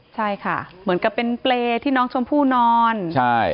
ใช่ค่ะเหมือนกับเป็นเปรย์ที่น้องชมพู่นอนใช่